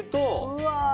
うわ。